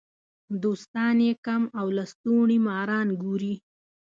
دوستان یې کم او لستوڼي ماران ګوري.